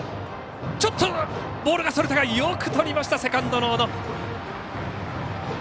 ちょっとボールがそれたがよくとりましたセカンドの小野。